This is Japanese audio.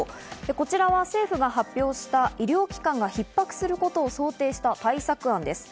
こちらは政府が発表した医療機関がひっ迫することを想定した対策案です。